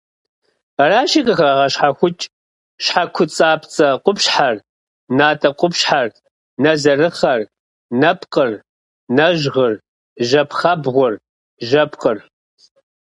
Аращи, къыхагъэщхьэхукӏ щхьэкупцӏапцӏэ къупщхьэр, натӏэ къупщхьэр, нэзэрыхъэр, нэпкъыр, нэжьгъыр, жьэ пхъэбгъур, жьэпкъыр.